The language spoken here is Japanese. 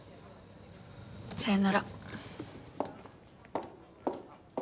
さよなら。